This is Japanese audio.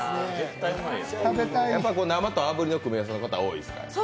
生とあぶりの組み合わせの方多いですか？